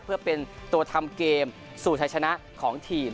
เพื่อเป็นตัวทำเกมสู่ชัยชนะของทีม